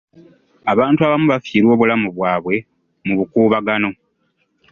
Abantu abamu baafiirwa obulamu bwabwe mu bukuubagano.